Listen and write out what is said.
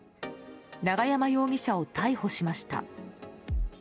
永山容疑者を逮捕しました。